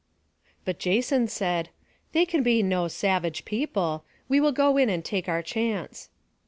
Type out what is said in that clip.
But Jason said: "They can be no savage people. We will go in and take our chance."